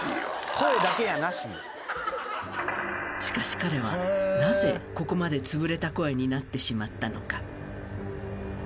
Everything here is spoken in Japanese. ［しかし彼はなぜここまでつぶれた声になってしまったのか？］